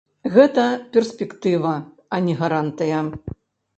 Гэта перспектыва, а не гарантыя.